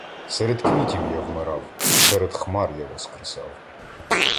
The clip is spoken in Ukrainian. Серед квітів я вмирав, Серед хмар я воскресав.